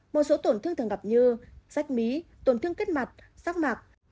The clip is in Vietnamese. một số tổn thương thường gặp như sách mí tổn thương kết mặt sắc mạc